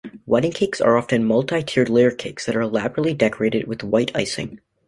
Wedding cakes are often multi-tiered layer cakes that are elaborately decorated with white icing.